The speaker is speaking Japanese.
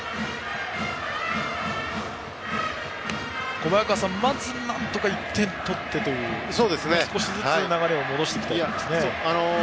小早川さん、まずなんとか１点取ってという少しずつ流れを戻していきたいですね。